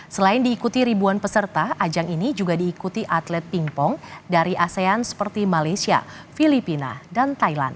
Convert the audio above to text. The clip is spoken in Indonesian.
selain diikuti ribuan peserta ajang ini juga diikuti atlet pingpong dari asean seperti malaysia filipina dan thailand